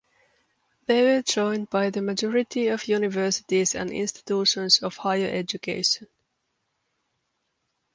They were joined by the majority of universities and institutions of higher education.